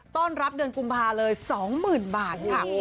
ต้อนรับเดือนกุมภาเลย๒๐๐๐บาทค่ะ